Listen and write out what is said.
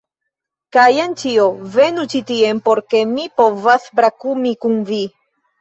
Kaj jen ĉio, venu ĉi tien, por ke mi povas brakumi kun vi